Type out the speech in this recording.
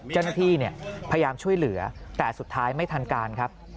เจ้าหน้าที่พยายามช่วยเหลือแต่สุดท้ายไม่ทันการครับ